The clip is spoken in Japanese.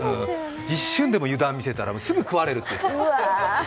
一瞬でも油断見せたらすぐ食われるって。